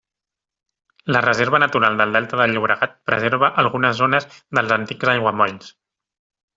La Reserva Natural del Delta del Llobregat preserva algunes zones dels antics aiguamolls.